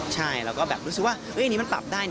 ใช่แล้วก็แบบรู้สึกว่าอันนี้มันปรับได้